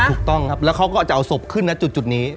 ถูกต้องครับแล้วเขาก็จะเอาศพขึ้นนะจุดนี้